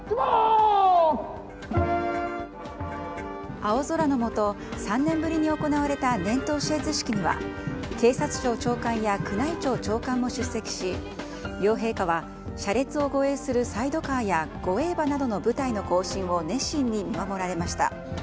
青空のもと３年ぶりに行われた年頭視閲式には警察庁長官や宮内庁長官も出席し両陛下は車列を護衛するサイドカーや護衛馬などの部隊の行進を熱心に見守られました。